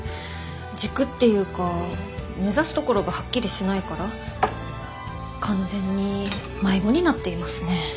軸っていうか目指すところがはっきりしないから完全に迷子になっていますね。